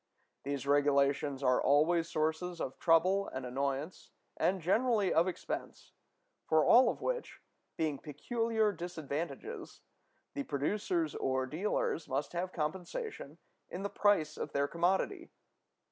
These regulations are always sources of trouble and annoyance, and generally of expense, for all of which, being peculiar disadvantages, the producers or dealers must have compensation in the price of their commodity.